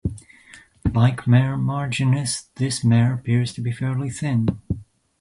Like Mare Marginis, this mare appears to be fairly thin.